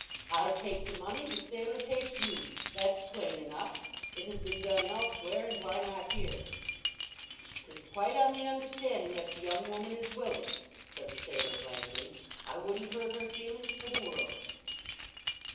"I take the money; the sailor takes you. That's plain enough. It has been done elsewhere—and why not here?" "'Tis quite on the understanding that the young woman is willing," said the sailor blandly. "I wouldn't hurt her feelings for the world."